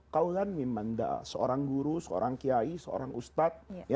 kaulan mimanda seorang guru seorang kiai seorang ustad